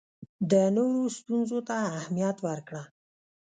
د نورو ستونزو ته اهمیت ورکړه.